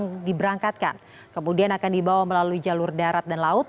diberi kembali ke kota yang menyebabkan kemudian akan dibawa melalui jalur darat dan laut